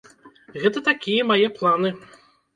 Гэта такія мае планы.